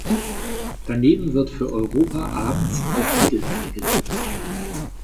Daneben wird für Europa abends auf Mittelwelle gesendet.